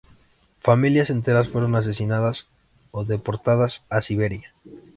Familias enteras fueron asesinadas o deportadas a Siberia.